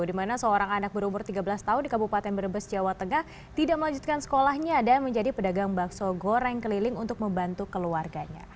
dimana seorang anak berumur tiga belas tahun di kabupaten brebes jawa tengah tidak melanjutkan sekolahnya dan menjadi pedagang bakso goreng keliling untuk membantu keluarganya